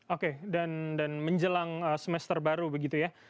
oke dan menjelang semester baru begitu ya